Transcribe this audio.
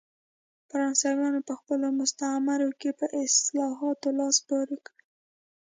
فرانسویانو په خپلو مستعمرو کې په اصلاحاتو لاس پورې کړ.